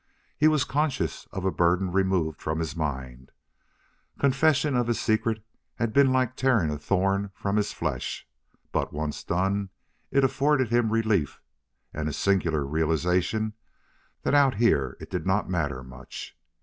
He was conscious of a burden removed from his mind. Confession of his secret had been like tearing a thorn from his flesh, but, once done, it afforded him relief and a singular realization that out here it did not matter much.